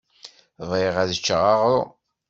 Bɣiɣ ad ččeɣ aɣṛum.